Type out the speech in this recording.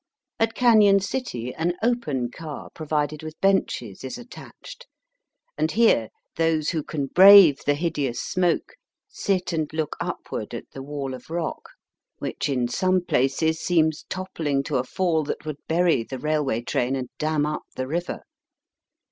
At Canon City an open car, provided with benches, is attached, and here those who can brave the hideous smoke sit and look upward at the wall of rock, which in some places seems topphng to a fall that would bury the railway train and dam up the river.